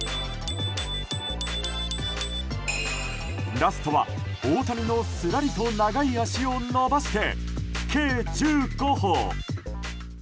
ラストは大谷のすらりと長い足を伸ばして計１５歩。